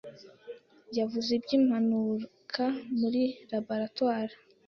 yavuye by'impanuka muri laboratoire